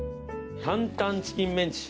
タンタンチキンメンチ。